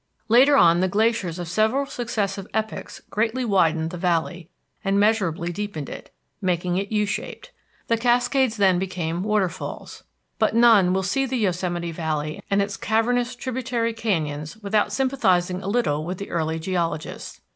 Later on the glaciers of several successive epochs greatly widened the valley, and measurably deepened it, making it U shaped. The cascades then became waterfalls. But none will see the Yosemite Valley and its cavernous tributary canyons without sympathizing a little with the early geologists.